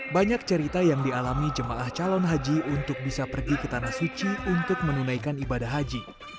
banyak cerita yang dialami jemaah calon haji untuk bisa pergi ke tanah suci untuk menunaikan ibadah haji